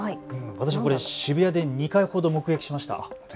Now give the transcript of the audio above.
私、これ渋谷で２回ほど目撃しました。